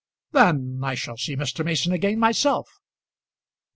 "Then I shall see Mr. Mason again myself."